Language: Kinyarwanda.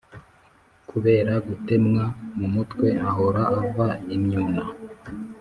Kubera gutemwa mu mutwe, ahora ava imyuna